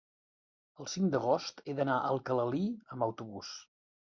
El cinc d'agost he d'anar a Alcalalí amb autobús.